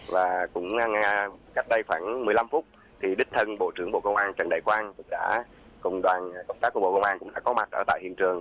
và cũng cách đây khoảng một mươi năm phút thì đích thân bộ trưởng bộ công an trần đại quang đã cùng đoàn công tác của bộ công an cũng đã có mặt ở tại hiện trường